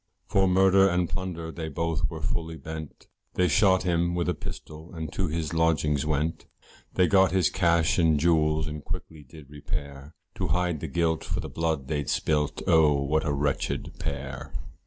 For murder and plunder they both were fully bent, They shot him with a pistol, and to his lodgings went, They got his cash and jewels and quickly did repair, To hide the guilt for the blood they'd spilt oh! what a wretched pair.